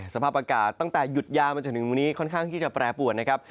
สภาพอากาศตั้งแต่หยุดยาวมาจนถึงวันนี้ค่อนข้างที่จะแปรปวนนะครับ